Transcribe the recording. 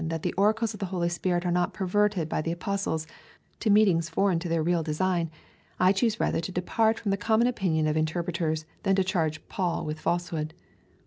that the oracles of the Holy Spirit are not jDorverted by the Apostles to meanings foreign to their real design, I choose rather to depart from the common opinion of interpreters than to charge Paul with falsehood.